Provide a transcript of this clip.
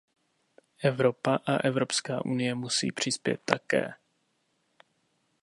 Evropa a Evropská unie musí přispět také.